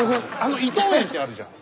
伊東園ってあるじゃん。